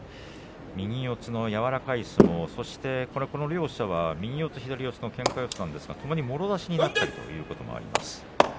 右四つの柔らかい相撲、そしてこの両者は右四つ、左四つのけんか四つなんですがともにもろ差しになったりということもあります。